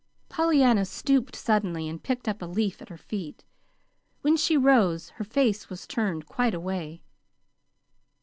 Pollyanna stooped suddenly, and picked up a leaf at her feet. When she rose, her face was turned quite away.